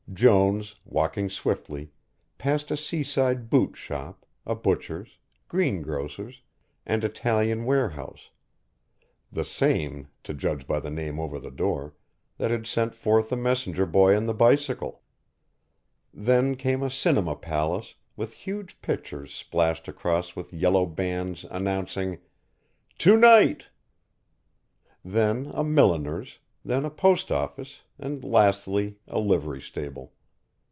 Jones, walking swiftly, passed a sea side boot shop, a butcher's, greengrocer's, and Italian warehouse the same, to judge by the name over the door that had sent forth the messenger boy on the bicycle. Then came a cinema palace, with huge pictures splashed across with yellow bands announcing: "TO NIGHT" Then a milliner's, then a post office, and lastly a livery stable.